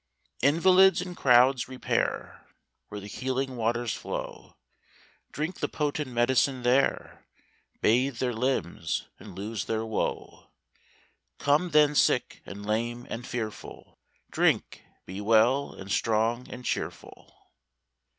Invalids in crowds repair Where the healing waters flow ; Drink the potent medicine there, Bathe their limbs, and lose their wo. Come then sick, and lame, and fearful, Drink; be well, and strong, and cheerful.